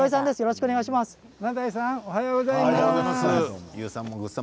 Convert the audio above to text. おはようございます。